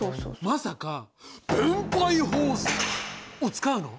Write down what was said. まさか「分配法則」を使うの？